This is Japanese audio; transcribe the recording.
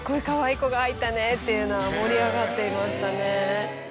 っていうのは盛り上がっていましたね。